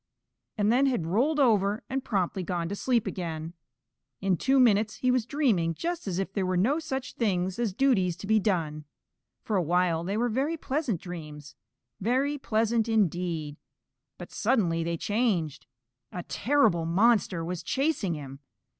and then had rolled over and promptly gone to sleep again. In two minutes he was dreaming just as if there were no such things as duties to be done. For a while they were very pleasant dreams, very pleasant indeed. But suddenly they changed. A terrible monster was chasing him.